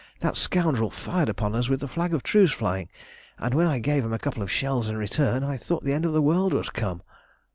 That scoundrel fired upon us with the flag of truce flying, and when I gave him a couple of shells in return I thought the end of the world was come."